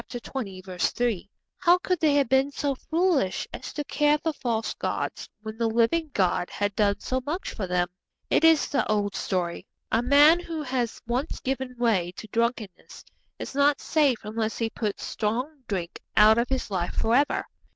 3.) How could they have been so foolish as to care for false gods when the living God had done so much for them? It is the old story. A man who has once given way to drunkenness is not safe unless he puts strong drink out of his life for ever.